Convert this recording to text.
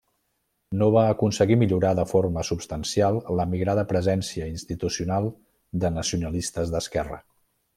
No va aconseguir millorar de forma substancial la migrada presència institucional de Nacionalistes d'Esquerra.